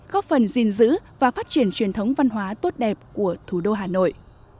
góp phần gìn giữ và phát triển truyền thống văn hóa tốt đẹp của thủ đô hà nội